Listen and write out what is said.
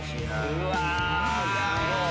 うわすごい。